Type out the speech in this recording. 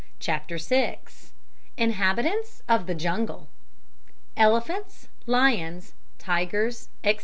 CHAPTER VI INHABITANTS OF THE JUNGLE _Elephants, Lions, Tigers, etc.